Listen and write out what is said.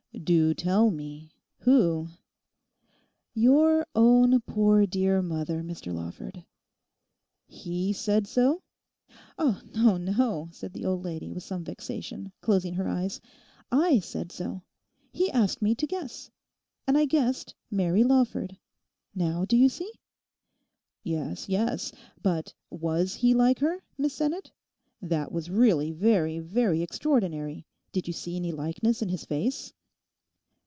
'Do tell me—who?' 'Your own poor dear mother, Mr Lawford.' 'He said so?' 'No, no,' said the old lady, with some vexation, closing her eyes. 'I said so. He asked me to guess. And I guessed Mary Lawford; now do you see?' 'Yes, yes. But was he like her, Miss Sinnet? That was really very, very extraordinary. Did you see any likeness in his face?